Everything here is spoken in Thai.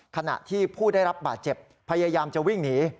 ขณะที่ผู้ได้รับบาดเจ็บพยายามจะวิ่งหนี